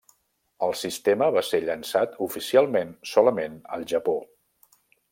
El sistema va ser llançat oficialment solament al Japó.